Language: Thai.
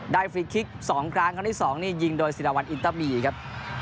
ได้ฟรีกคลิก๒ครั้งเค้าที่๒นี่ยิงโดยสินวันอินเตอร์บีครับ